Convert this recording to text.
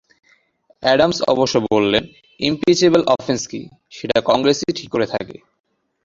Adams অবশ্য বললেন, impeachable offence কী, সেটা কংগ্রেসই ঠিক করে থাকে।